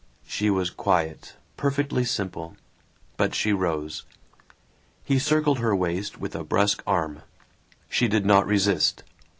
She was quiet, perfectly simple. But she rose. He circled her waist with a brusque arm. She did not resist.